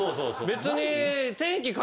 別に。